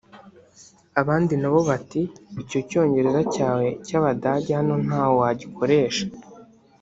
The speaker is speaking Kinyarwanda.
Abandi nabo bati icyo cyongereza cyawe cy’Abadage hano ntaho wagikoresha